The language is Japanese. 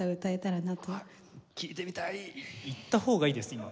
行った方がいいです今。